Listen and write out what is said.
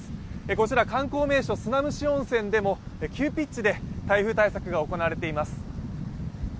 こちら観光名所、砂むし温泉でも急ピッチで台風対策が行われています。